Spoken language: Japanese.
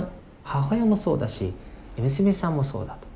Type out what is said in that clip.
母親もそうだし娘さんもそうだと。